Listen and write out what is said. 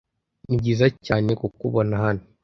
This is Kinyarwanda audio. nibyiza cyane kukubona hano